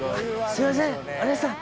すいませんお姉さん！